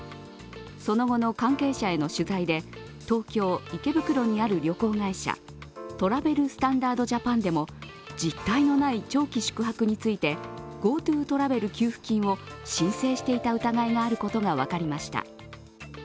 その後の関係者への取材で東京・池袋にある旅行会社、トラベル・スタンダード・ジャパンでも実態のない長期宿泊についてＧｏＴｏトラベル給付金を申請していた疑いがあることが分かりました。